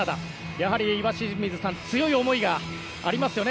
やはり岩清水さん強い思いがありますよね